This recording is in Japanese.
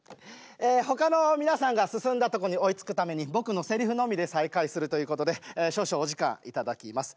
ほかの皆さんが進んだとこに追いつくために僕のせりふのみで再開するということで少々お時間頂きます。